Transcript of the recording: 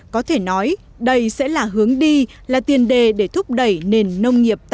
có thể nói đây sẽ là hướng đi là tiền đề để thúc đẩy nền nông nghiệp